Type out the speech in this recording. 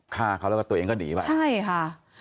ฆ่าเขาแล้วก็ตัวเองก็หนีไปใช่ค่ะ